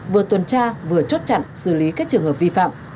vừa tuần tra vừa chốt chặn xử lý các trường hợp vi phạm